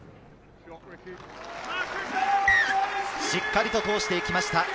しっかりと通してきました。